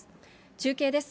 中継です。